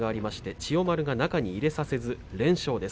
千代丸が中に入れさせず連勝です。